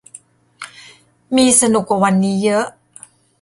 มีสนุกกว่าวันนี้เยอะ